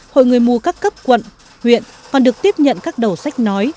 hội người mù các cấp quận huyện còn được tiếp nhận các đầu sách nói